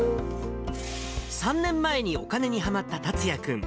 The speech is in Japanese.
３年前にお金にはまった達哉君。